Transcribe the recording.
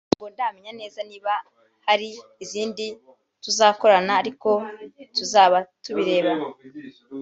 ntabwo ndamenya neza niba hari izindi tuzakorana ariko tuzaba tubireba